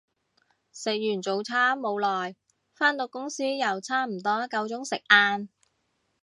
食完早餐冇耐，返到公司又差唔多夠鐘食晏